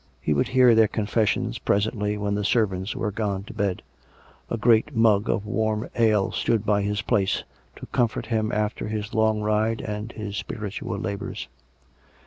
He would hear their confes sions presently when the servants were gone to bed. A great mug of v/arm ale stood by his place, to comfort him after his long ride and his spiritual labours.